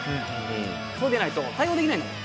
そうでないと対応できないんだもん。